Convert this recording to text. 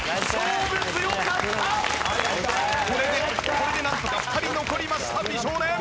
これでなんとか２人残りました美少年。